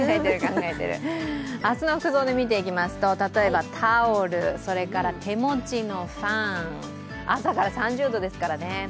明日の服装で見ていきますと、例えばタオル、それから手持ちのファン、朝から３０度ですからね。